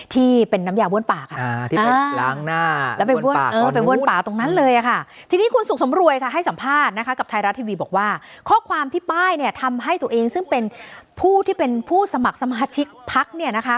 ที่เป็นน้ำยาววื้อนปากอ่า